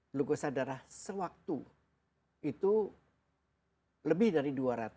glukosa darah sewaktu itu lebih dari dua ratus